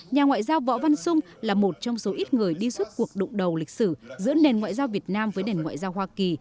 nhà ngoại giao võ văn sung là một trong số ít người đi suốt cuộc đụng đầu lịch sử giữa nền ngoại giao việt nam với nền ngoại giao hoa kỳ